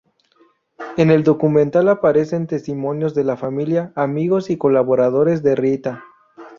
En el documental aparecen testimonios de la familia, amigos y colaboradores de Rita.